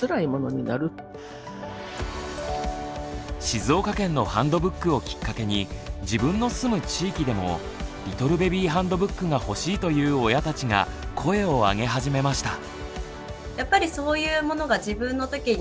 静岡県のハンドブックをきっかけに自分の住む地域でもリトルベビーハンドブックが欲しいという親たちが声をあげ始めました。